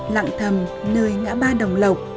lặng thầm nơi ngã ba đồng lộc